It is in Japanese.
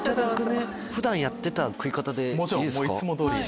普段やってた食い方でいいですか？